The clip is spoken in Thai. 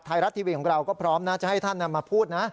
ไทยรัฐทีวีของเราก็พร้อมนะจะให้ท่านมาพูดนะ